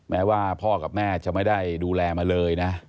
แม้ว่าพ่อกับแม่จะไม่ได้ดูแลมาเลยนะ